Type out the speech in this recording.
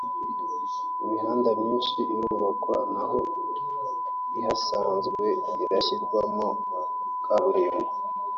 imihanda mishya irubakwa naho ihasanzwe irashyirwamo kaburimbo